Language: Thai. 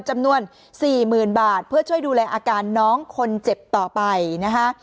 จำนวน๔๐๐๐บาทเพื่อช่วยดูแลอาการน้องคนเจ็บต่อไปนะคะ